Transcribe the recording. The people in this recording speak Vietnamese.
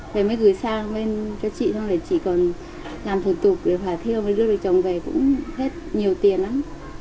phải mới gửi sang bên cho chị xong rồi chị còn làm thủ tục để phải thiêu rồi đưa vợ chồng về cũng hết nhiều tiền lắm